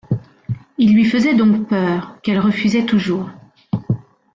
Il lui faisait donc peur, qu’elle refusait toujours.